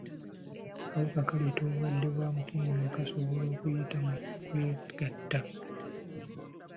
Akawuka akaleeta obulwadde bwa mukenenya kasobola okuyita mu kwegatta.